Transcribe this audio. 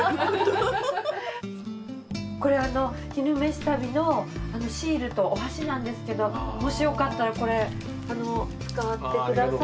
これあの「昼めし旅」のシールとお箸なんですけどもしよかったらこれ使ってください。